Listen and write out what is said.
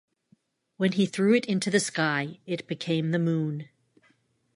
When he threw it into the sky, it became the moon.